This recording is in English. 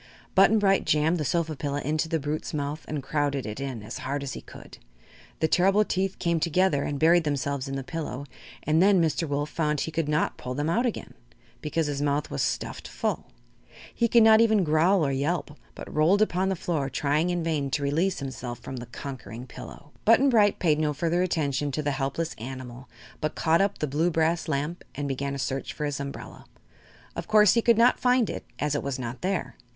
Button Bright jammed the sofa pillow into the brute's mouth and crowded it in as hard as he could. The terrible teeth came together and buried themselves in the pillow, and then Mr. Wolf found he could not pull them out again because his mouth was stuffed full. He could not even growl or yelp, but rolled upon the floor trying in vain to release himself from the conquering pillow. Button Bright paid no further attention to the helpless animal but caught up the blue brass lamp and began a search for his umbrella. Of course he could not find it, as it was not there.